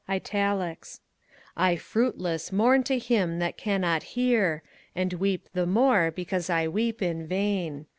_I fruitless mourn to him that cannot hear, And weep the more because I weep in vain.